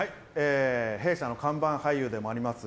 弊社の看板俳優でもあります